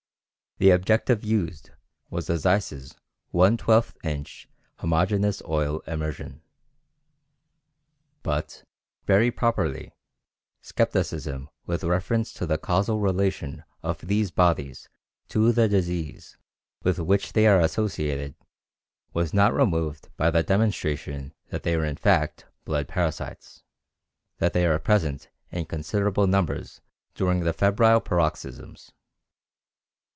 The objective used was a Zeiss's one twelfth inch homogeneous oil immersion. But, very properly, skepticism with reference to the causal relation of these bodies to the disease with which they are associated was not removed by the demonstration that they are in fact blood parasites, that they are present in considerable numbers during the febrile paroxysms.